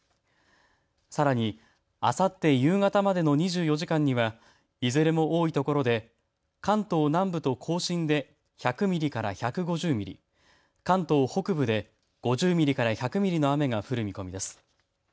さらに、あさって夕方までの２４時間にはいずれも多い所で関東南部と甲信で１００ミリから１５０ミリ、関東北部で５０ミリから１００ミリの雨が降る見込みです。